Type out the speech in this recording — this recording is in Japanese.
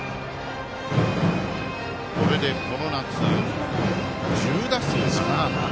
これでこの夏、１０打数７安打。